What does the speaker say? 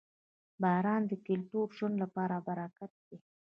• باران د کلیو د ژوند لپاره برکت دی.